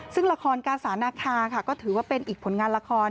ซึ่งละครกาสานาคาค่ะก็ถือว่าเป็นอีกผลงานละคร